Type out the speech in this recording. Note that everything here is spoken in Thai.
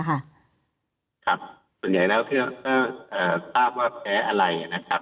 ส่วนใหญ่เราสร้างแพ้อะไร